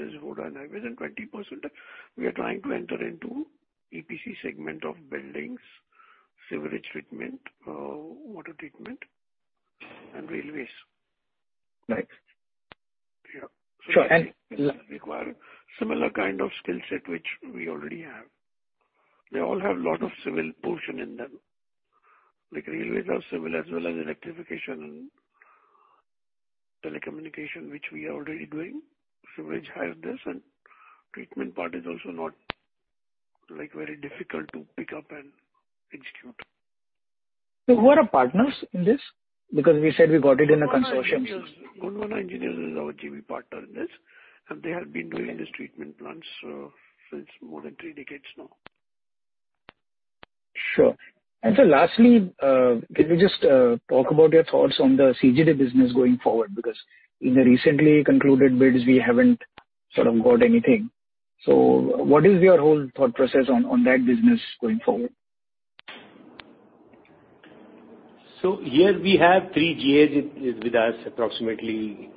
C: is road, and within 20%, we are trying to enter into EPC segment of buildings, sewerage treatment, water treatment, and railways.
N: Right.
C: Yeah.
N: Sure, and-
C: Require similar kind of skill set, which we already have. They all have a lot of civil portion in them, like railways are civil as well as electrification and telecommunication, which we are already doing. Sewerage has this, and treatment part is also not, like, very difficult to pick up and execute.
N: Who are our partners in this? Because we said we got it in a consortium.
C: Gondwana Engineers is our JV partner in this, and they have been doing these treatment plants since more than three decades now.
N: Sure. And so lastly, can you just talk about your thoughts on the CGD business going forward? Because in the recently concluded bids, we haven't sort of got anything. So what is your whole thought process on, on that business going forward?
D: So here we have three GAs with us, approximately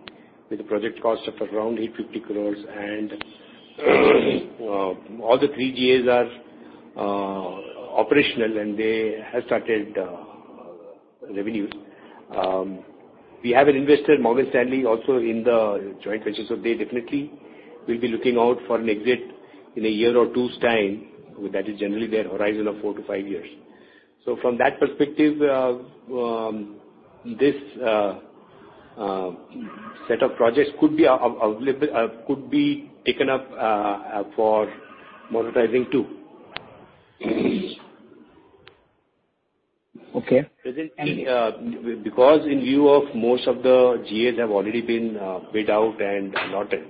D: with a project cost of around 850 crores, and all the three GAs are operational, and they have started revenues. We have an investor, Morgan Stanley, also in the joint venture, so they definitely will be looking out for an exit in a year or two's time. That is generally their horizon of four to five years. So from that perspective, this set of projects could be available, could be taken up for monetizing, too.
N: Okay.
D: Presently, because in view of most of the GAs have already been bid out and allotted,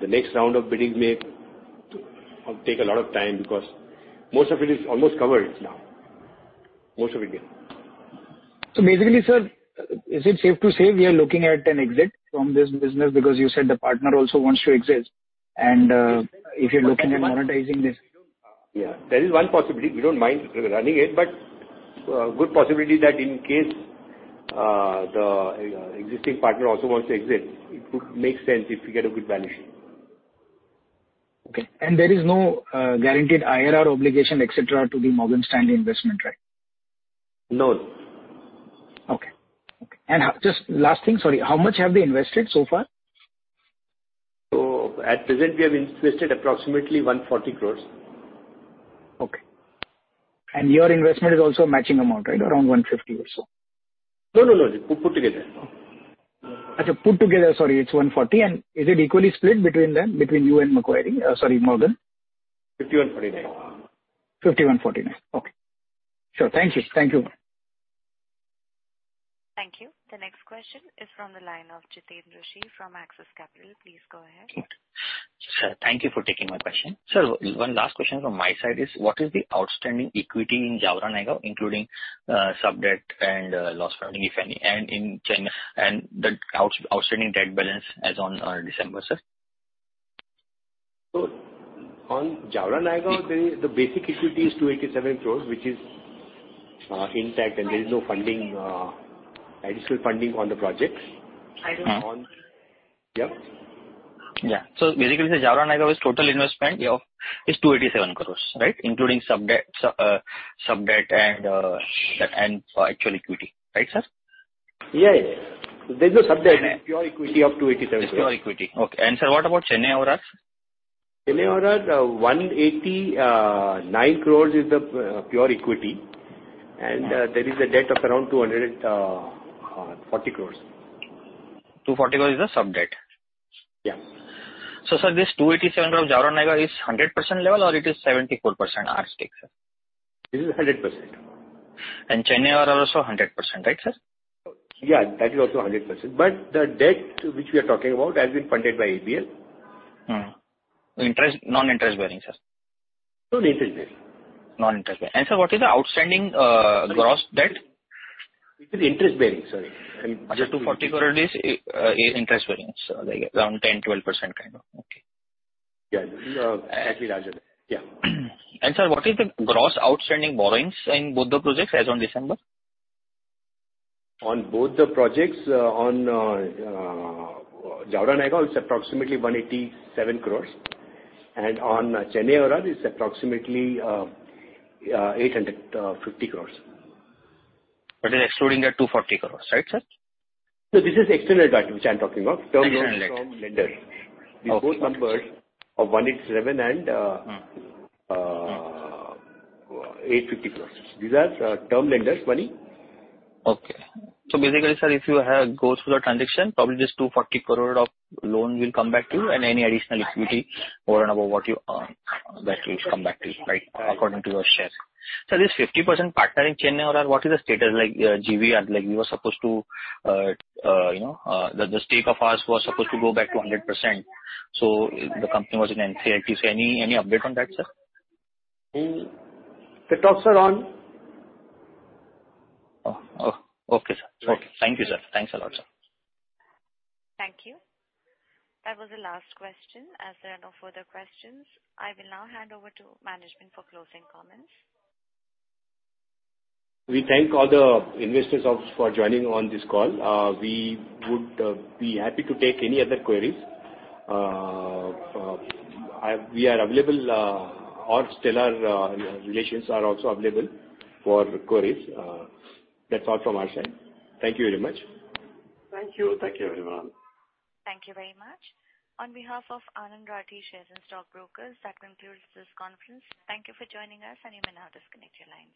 D: the next round of bidding may take a lot of time because most of it is almost covered now. Most of it, yeah.
N: So basically, sir, is it safe to say we are looking at an exit from this business? Because you said the partner also wants to exit, and if you're looking at monetizing this.
D: Yeah, there is one possibility. We don't mind running it, but, good possibility that in case, the, existing partner also wants to exit, it would make sense if we get a good valuation.
N: Okay. There is no guaranteed IRR obligation, et cetera, to the Morgan Stanley investment, right?
D: No.
N: Okay. Okay, just last thing, sorry, how much have they invested so far?
D: At present, we have invested approximately 140 crores.
N: Okay. And your investment is also matching amount, right? Around 150 or so.
D: No, no, no. Put, put together.
N: Okay, put together, sorry, it's 140, and is it equally split between them, between you and Macquarie? Sorry, Morgan.
D: 50 and 49.
N: 50 and 49. Okay. Sure. Thank you. Thank you.
A: Thank you. The next question is from the line of Jiten Rushi from Axis Capital. Please go ahead.
K: Sir, thank you for taking my question. Sir, one last question from my side is: what is the outstanding equity in Jaora-Nayagaon, including, subdebt and, loss funding, if any, and in Chennai and the outstanding debt balance as on, December, sir?
D: On Jaora-Nayagaon, the basic equity is 287 crore, which is intact, and there is no additional funding on the projects.
K: Uh.
D: On... Yeah?
K: Yeah. So basically, the Jaora-Nayagaon was total investment of, is 287 crore, right? Including subdebt, subdebt and, and actual equity. Right, sir?
D: Yes. There's no subdebt.
K: And-
D: Pure equity of 287 crore.
K: It's pure equity. Okay. Sir, what about Chennai ORR?
D: Chennai ORR, 189 crores is the pure equity, and there is a debt of around 240 crores.
K: 240 crore is the subdebt?
D: Yeah.
K: So sir, this 287 crore Jaora-Nayagaon is 100% level or it is 74% our stake, sir?
D: It is 100%.
K: Chennai ORR also 100%, right, sir?
D: Yeah, that is also 100%, but the debt which we are talking about has been funded by ABL.
K: Mm. Interest, non-interest-bearing, sir?
D: No, interest bearing.
K: Non-interest bearing. Sir, what is the outstanding, gross debt?
D: It is interest bearing, sorry.
K: 240 crore is interest bearing, sir, like around 10%-12% kind of. Okay.
D: Yeah, actually larger. Yeah.
K: Sir, what is the gross outstanding borrowings in both the projects as on December?
D: On both the projects, Jaora-Nayagaon, it's approximately 187 crore, and on Chennai Outer Ring Road, it's approximately 850 crore.
K: But then excluding the 240 crore, right, sir?
D: No, this is external debt, which I'm talking of-
K: External debt.
D: Term loans from lenders.
K: Okay.
D: The both numbers of 187 crore and,
K: Mm.
D: 850 crore. These are term lenders' money.
K: Okay. So basically, sir, if you have, go through the transaction, probably this 240 crore of loan will come back to you and any additional equity over and above what you, that will come back to you, right, according to your share. Sir, this 50% partner in Chennai ORR, what is the status? Like, GVR, like we were supposed to, you know, the, the stake of us was supposed to go back to 100%, so the company was in NCLT. So any, any update on that, sir?
D: The talks are on.
K: Oh, oh, okay, sir.
D: Yes.
K: Okay. Thank you, sir. Thanks a lot, sir.
A: Thank you. That was the last question. As there are no further questions, I will now hand over to management for closing comments.
D: We thank all the investors for joining on this call. We would be happy to take any other queries. We are available, or Stellar Relations are also available for queries. That's all from our side. Thank you very much.
N: Thank you. Thank you, everyone.
A: Thank you very much. On behalf of Anand Rathi Share and Stock Brokers, that concludes this conference. Thank you for joining us, and you may now disconnect your lines.